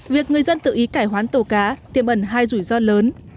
việc người dân tự ý cải hoán tàu cá tiêm ẩn hai rủi ro lớn